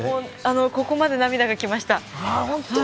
ここまで涙が来ました。